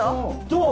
どう？